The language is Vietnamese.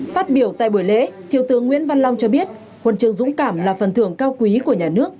phát biểu tại buổi lễ thiếu tướng nguyễn văn long cho biết huân chương dũng cảm là phần thường cao quý của nhà nước